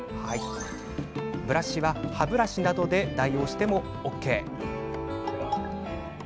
ブラシは歯ブラシなどで代用してもＯＫです。